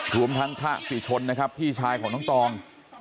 รวมทั้งพระศรีชนนะครับพี่ชายของน้องตอง